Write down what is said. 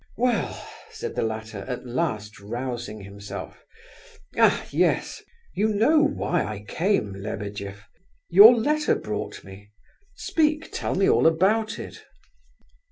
"Well!" said the latter, at last rousing himself. "Ah! yes! You know why I came, Lebedeff. Your letter brought me. Speak! Tell me all about it."